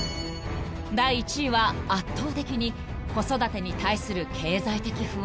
［第１位は圧倒的に子育てに対する経済的不安］